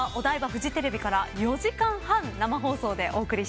フジテレビから４時間半生放送でお送りします。